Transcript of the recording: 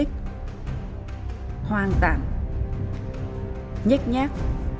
sẵn sàng đổ sập